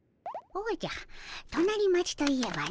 おじゃ隣町といえばの。